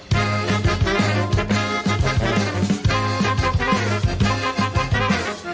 สวัสดีค่ะ